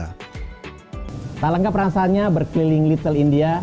tidak lengkap rasanya berkeliling little india